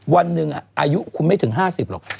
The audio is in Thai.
วันหนึ่งอายุคุณไม่ถึง๕๐หรอก